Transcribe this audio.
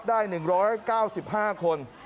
ได้๑๙๕คน